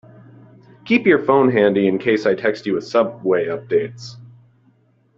Keep your phone handy in case I text you with subway updates.